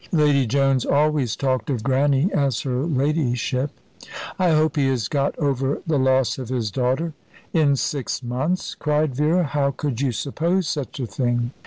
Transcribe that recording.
Lady Jones always talked of Grannie as her ladyship. "I hope he has got over the loss of his daughter." "In six months!" cried Vera. "How could you suppose such a thing!"